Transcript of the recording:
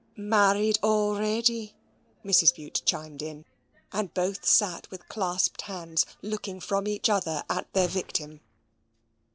"Married already," Mrs. Bute chimed in; and both sate with clasped hands looking from each other at their victim.